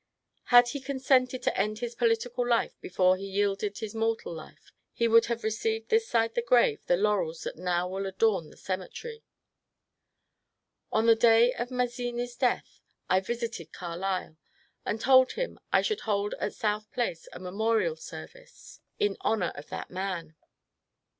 Had he consented to end his political life before he yielded his mortal life he would have received this side the grave the laurels that now will adorn the cemetery. On the day of Mazzini's death I visited Carlyle, and told him I should hold at South Place a memorial service in VOL. II 66 MONCURE DANIEL CONWAY honour of that man.